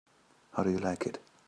How do you like it?